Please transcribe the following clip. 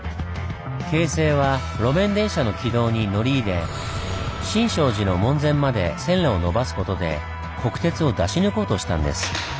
京成は路面電車の軌道に乗り入れ新勝寺の門前まで線路を延ばす事で国鉄を出し抜こうとしたんです。